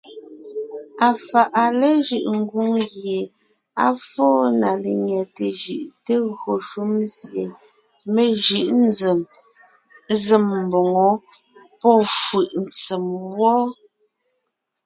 Afàʼa léjʉ́ʼ ngwóŋ gie á fóo na lenyɛte jʉʼ te gÿo shúm sie mé jʉʼ zém mboŋó pɔ́fʉ̀ʼ ntsèm wɔ́.